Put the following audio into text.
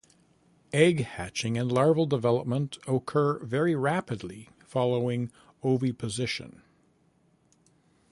Egg hatching and larval development occur very rapidly following oviposition.